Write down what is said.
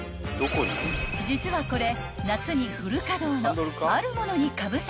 ［実はこれ］